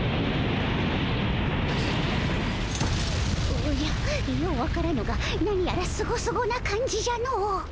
おじゃよう分からぬが何やらスゴスゴな感じじゃのう。